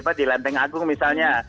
seperti tadi di lanteng agung misalnya